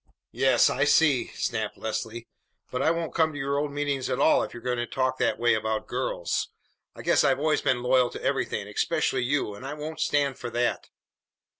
"Yes, I see," snapped Leslie; "but I won't come to your old meetings at all if you are going to talk that way about girls. I guess I've always been loyal to everything, especially you, and I won't stand for that!"